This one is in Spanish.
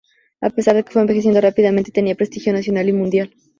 A pesar de que fue envejeciendo rápidamente, tenía prestigio nacional y mundial.